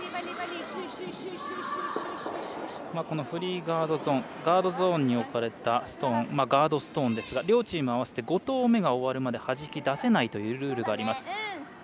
フリーガードゾーンガードゾーンに置かれたストーンガードストーンですが両チーム合わせて５投目が終わるまではじき出せないというルールがあります。